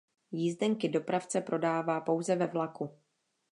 Jízdenky dopravce prodává pouze ve vlaku.